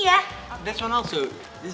yang ini juga yang ini juga bagus